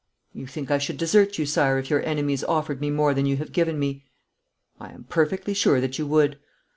'You think I should desert you, Sire, if your enemies offered me more than you have given me?' 'I am perfectly sure that you would.'